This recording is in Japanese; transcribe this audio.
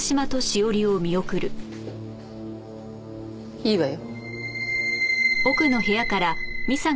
いいわよ。